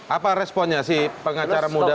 apa responnya si pengacara muda